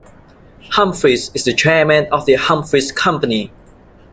Humphreys is the chairman of The Humphreys Company.